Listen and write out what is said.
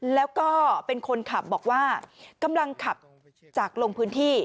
แล้วก็เป็นคนขับบอกว่ากำลังขับจากลงพื้นที่